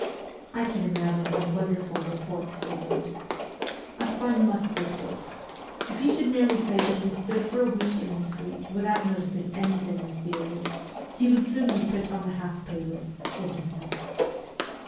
I can imagine what wonderful reports they wrote. A spy must report. If he should merely say WESTERN EUROPE 266 that he has stood for a week in the street without noticing anything mysterious, he would soon be put on the half pay list or dismissed.